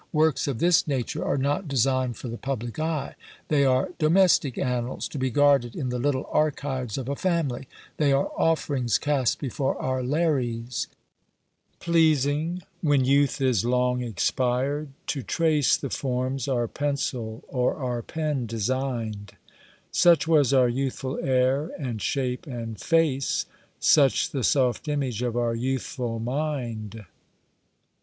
Works of this nature are not designed for the public eye; they are domestic annals, to be guarded in the little archives of a family; they are offerings cast before our Lares. Pleasing, when youth is long expired, to trace The forms our pencil or our pen design'd; Such was our youthful air, and shape, and face, Such the soft image of our youthful mind.